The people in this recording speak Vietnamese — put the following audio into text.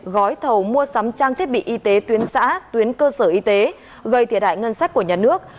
gói thầu mua sắm trang thiết bị y tế tuyến xã tuyến cơ sở y tế gây thiệt hại ngân sách của nhà nước